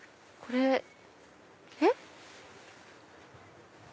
これえっ？